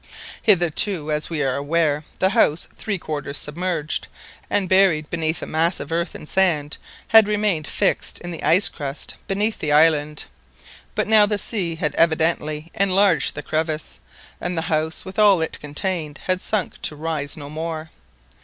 Hitherto, as we are aware, the house, three quarters submerged, and buried beneath a mass of earth and sand, had remained fixed in the ice crust beneath the island; but now the sea had evidently enlarged the crevasse, and the house with all it contained had sunk to rise no more.